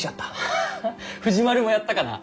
ハハ藤丸もやったかな？